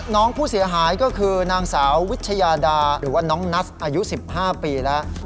น้องผู้เสียหายก็คือนางสาววิชยาดาหรือว่าน้องนัทอายุ๑๕ปีแล้ว